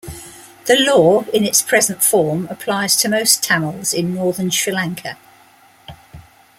The Law in its present form applies to most Tamils in northern Sri Lanka.